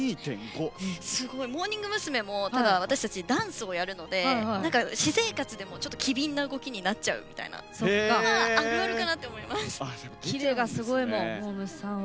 モーニング娘。も私たちダンスをやるので、私生活でも機敏な動きになっちゃうというのは「あるある」かなって思います。